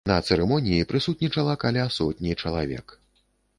На цырымоніі прысутнічала каля сотні чалавек.